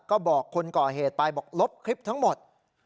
ก็บอกคนก่อเหตุไปบอกลบคลิปทั้งหมด